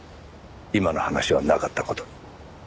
今の話はなかった事に。